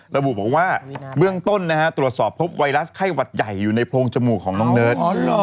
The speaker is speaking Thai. ระบุบอกว่าเบื้องต้นตรวจสอบพบไวรัสไข้หวัดใหญ่อยู่ในโพรงจมูกของน้องเนิร์ด